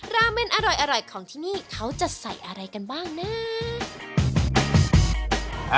ราเมนอร่อยของที่นี่เขาจะใส่อะไรกันบ้างนะ